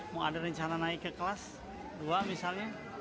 mau ada rencana naik ke kelas dua misalnya